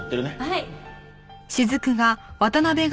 はい。